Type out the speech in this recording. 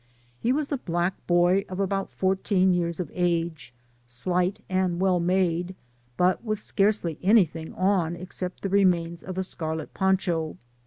He was a black boy of about fourteen years of age, slight, and well made, but with scarcely any thing on except the remains of a scarlet poncho.